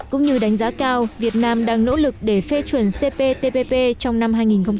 cũng như đánh giá cao việt nam đang nỗ lực để phê chuẩn cptpp trong năm hai nghìn hai mươi